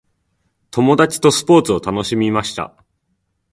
友達とスポーツを楽しみました。